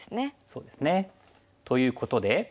そうですね。ということで。